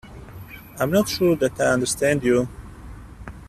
I am not sure that I understand you.